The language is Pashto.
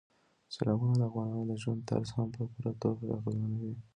سیلابونه د افغانانو د ژوند طرز هم په پوره توګه اغېزمنوي.